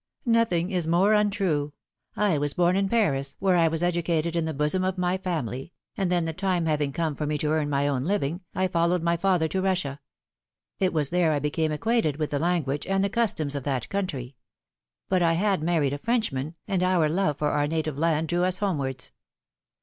Nothing is more untrue. I was born in Paris, where I was educated in the bosom of my family; and then the time having come for me to earn my own living, I followed my father to Russia. It was there I became acquainted with the language and the customs of that country. But I had married a Frenchman, and our love for our native land drew us homewards.